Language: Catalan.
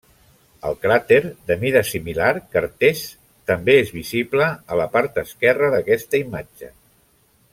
El cràter de mida similar Kertész també és visible a la part esquerra d'aquesta imatge.